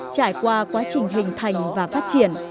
trải qua quá trình hình thành và phát triển